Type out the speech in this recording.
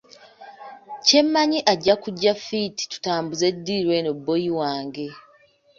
Kye mmanyi ajja kujja fiiti tutambuze ddiiru eno bboyi wange.